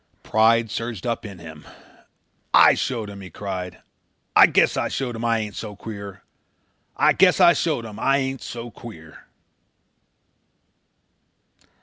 Pride surged up in him. "I showed him," he cried. "I guess I showed him. I ain't so queer. I guess I showed him I ain't so queer."